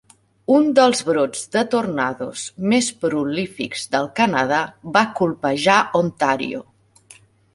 Un dels brots de tornados més prolífics del Canadà va colpejar Ontario.